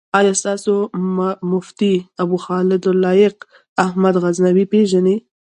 آيا تاسو مفتي ابوخالد لائق احمد غزنوي پيژنئ؟